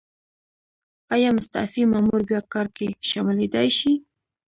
ایا مستعفي مامور بیا کار کې شاملیدای شي؟